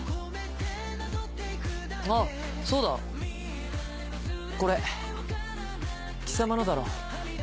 あぁそうだ。これ貴様のだろ？